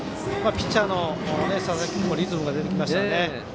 ピッチャーの佐々木君もリズムが出てきました。